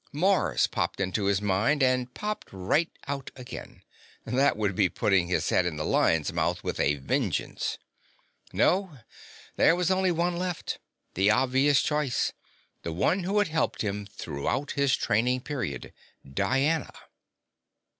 Mars popped into his mind, and popped right out again. That would be putting his head in the lion's mouth with a vengeance. No, there was only one left, the obvious choice, the one who had helped him throughout his training period Diana.